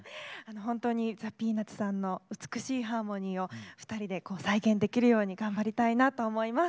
本当にザ・ピーナッツさんの美しいハーモニーを２人で再現できるように頑張りたいなと思います。